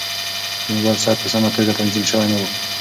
د موبایل ساعت په سمه توګه تنظیم شوی نه و.